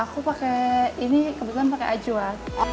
aku pakai ini kebetulan pakai acuan